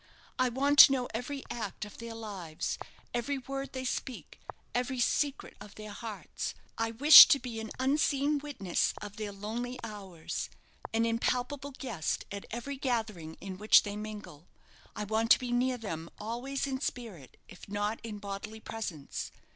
I want to know every act of their lives, every word they speak, every secret of their hearts I wish to be an unseen witness of their lonely hours, an impalpable guest at every gathering in which they mingle. I want to be near them always in spirit, if not in bodily presence.